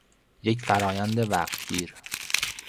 یک فرایند وقتگیر